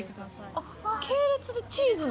あっ系列でチーズの？